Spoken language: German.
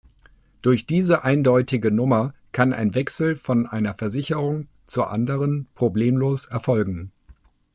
Durch diese eindeutige Nummer kann ein Wechsel von einer Versicherung zur anderen problemlos erfolgen.